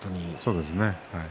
そうですね